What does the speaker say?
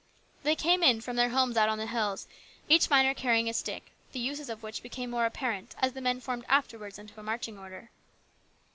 They came in from their homes out on the hills, each miner carrying a stick, the uses of which became more apparent as the men formed afterwards in marching order.